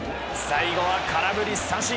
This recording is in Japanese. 最後は空振り三振。